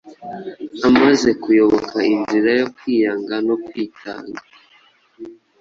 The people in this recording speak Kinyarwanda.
Amaze kuyoboka inzira yo kwiyanga no kwitanga